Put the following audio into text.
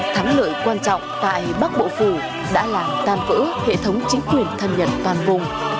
thắng lợi quan trọng tại bắc bộ phủ đã làm tan vỡ hệ thống chính quyền thân nhật toàn vùng